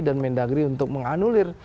dan mendagri untuk menganulir